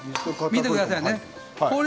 見てくださいね。